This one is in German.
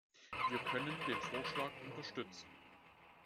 Wir können den Vorschlag unterstützen.